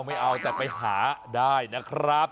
ไม่เอาแต่ไปหาได้นะครับ